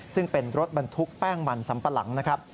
ซึ่งเป็นรถบรรทุกแป้งมันสัมปะหลังนะครับ